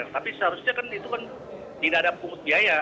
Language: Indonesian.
tapi seharusnya kan itu kan tidak ada pungut biaya